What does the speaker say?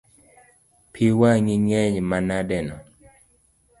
Pi wang’i ngeny manadeno?